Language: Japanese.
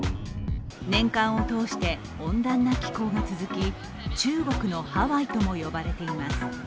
年間を通して温暖な気候が続き、中国のハワイとも呼ばれています。